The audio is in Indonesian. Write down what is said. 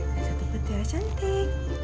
satu buat tiara cantik